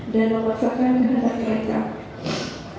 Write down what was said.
dan memaksakan menghadapi karyawan